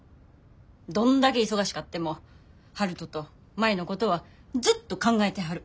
どんだけ忙しかっても悠人と舞のことはずっと考えてはる。